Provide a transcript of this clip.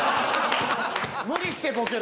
無理してボケる。